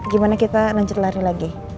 gimana kita lanjut lari lagi